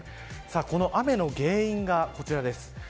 この雨の原因がこちらです。